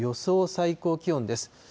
最高気温です。